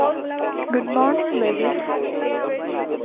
Good morning, ladies!